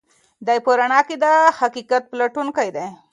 دی په رڼا کې د حقیقت پلټونکی دی.